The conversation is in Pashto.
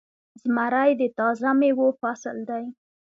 زمری د تازه میوو فصل دی.